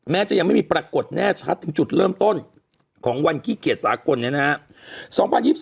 จะยังไม่มีปรากฏแน่ชัดถึงจุดเริ่มต้นของวันขี้เกียจสากลเนี่ยนะครับ